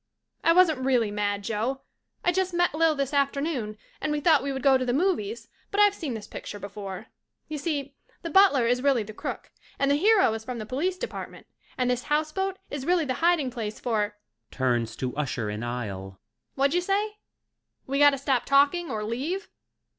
I wasn't really mad, Joe. I just met Lil this afternoon and we thought we would go to the movies but I've seen this picture before. Y'see the butler is really the crook and the hero is from the Police Department and this House Boat is really the hiding place for (Turns to usher in aisle.) Whadja say? We gotta stop talk ing or leave